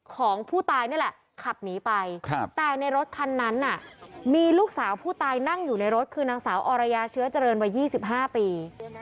ของผู้ตายนี่แหละขับหนีไปแต่ในรถคันนั้นมีลูกสาวผู้ตายนั่งอยู่ในรถคือนางสาวอรยาเชื้อเจริญวัย๒๕ปี